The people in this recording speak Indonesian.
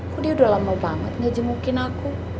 kok dia udah lama banget gak jemukin aku